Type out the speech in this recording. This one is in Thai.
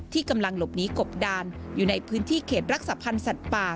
กำลังหลบหนีกบดานอยู่ในพื้นที่เขตรักษาพันธ์สัตว์ป่า